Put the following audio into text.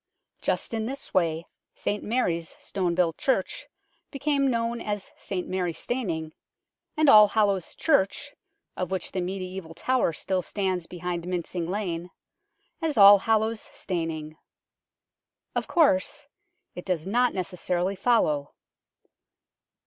Just in this way St Mary's stone built church became known as St Mary Staining, and All hallows Church of which the mediaeval tower still stands behind Mincing Lane as Allhallows Staining. Of course, it does not necessarily follow.